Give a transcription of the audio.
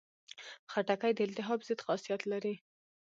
خټکی د التهاب ضد خاصیت لري.